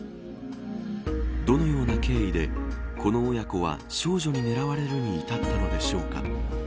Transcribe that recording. どのような経緯でこの親子は少女に狙われるに至ったのでしょうか。